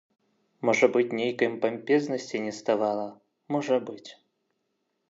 Можа быць нейкай пампезнасці неставала, можа быць.